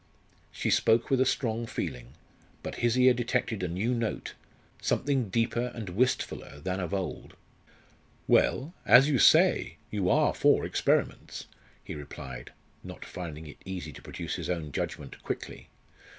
She spoke with a strong feeling; but his ear detected a new note something deeper and wistfuller than of old. "Well as you say, you are for experiments!" he replied, not finding it easy to produce his own judgment quickly.